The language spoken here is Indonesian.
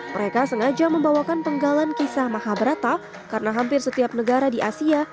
mereka sengaja membawakan penggalan kisah mahabrata karena hampir setiap negara di asia